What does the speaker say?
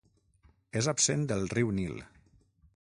És absent del riu Nil.